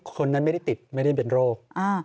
คนนั้นไม่ได้ติดไม่ได้เป็นโรค